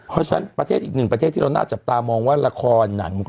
เพราะฉะนั้นประเทศอีกหนึ่งประเทศที่เราน่าจับตามองว่าละครหนัง